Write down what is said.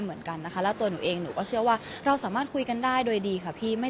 เป็นบนละเมืองของประเทศไทยทุกท่านน่าจะได้เห็นแล้วว่า